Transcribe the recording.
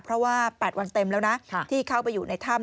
เพราะว่า๘วันเต็มแล้วนะที่เข้าไปอยู่ในถ้ำ